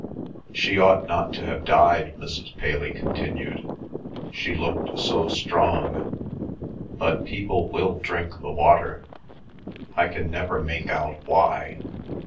"She ought not to have died," Mrs. Paley continued. "She looked so strong. But people will drink the water. I can never make out why.